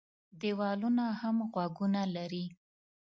دېوالونو هم غوږونه لري.